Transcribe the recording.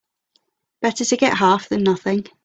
Better to get half than nothing.